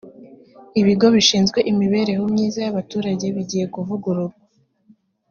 ibigo bishizwe imibereho myiza y’abaturage bigeye kuvugururwa